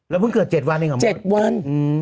แล้วเพิ่งเกิด๗วันเองแบบเหมือนกว่า๗วัน